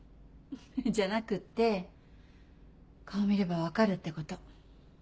フフフじゃなくって顔見れば分かるってこと。